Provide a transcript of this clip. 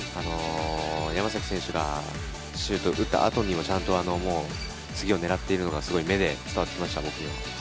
山崎選手がシュートを打った後にちゃんと次を狙っているのが目で伝わってきました、僕。